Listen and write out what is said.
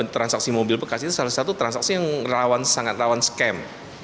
transaksi mobil bekas itu salah satu transaksi yang sangat rawan scam